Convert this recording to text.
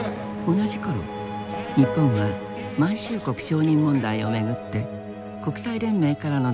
同じ頃日本は満州国承認問題を巡って国際連盟からの脱退を通告。